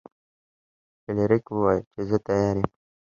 فلیریک وویل چې زه تیار یم.